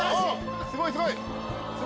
すごいすごい！